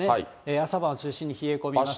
朝晩中心に冷え込みます。